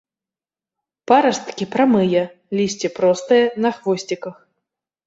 Парасткі прамыя, лісце простае на хвосціках.